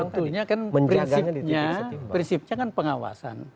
tentunya kan prinsipnya prinsipnya kan pengawasan